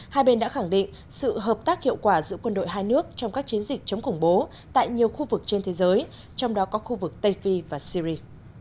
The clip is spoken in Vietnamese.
hai bên đã khẳng định sự hợp tác hiệu quả giữa quân đội hai nước trong các chiến dịch chống khủng bố tại nhiều khu vực trên thế giới trong đó có khu vực tây phi và syri